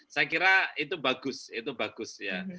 saya kira itu bagus itu bagus ya